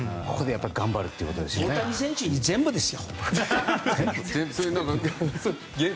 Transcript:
大谷選手に全部ですよ。